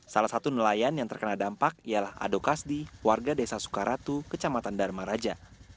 salah satu nelayan yang terkena dampak ialah adokasdi warga desa soekaratu kecamatan dharma raja